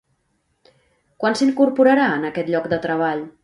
Quan s'incorporarà en aquest lloc de treball?